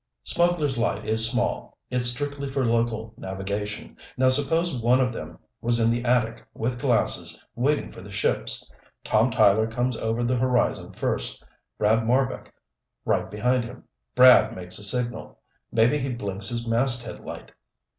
"Smugglers' Light is small. It's strictly for local navigation. Now suppose one of them was in the attic with glasses, waiting for the ships. Tom Tyler comes over the horizon first, Brad Marbek right behind him. Brad makes a signal. Maybe he blinks his masthead light.